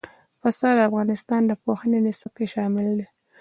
پسه د افغانستان د پوهنې نصاب کې شامل دي.